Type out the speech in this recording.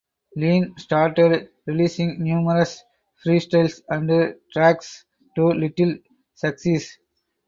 Lean started releasing numerous freestyles and tracks to little success.